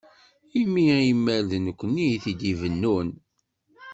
Imi imal d nekkni i t-id-ibennun.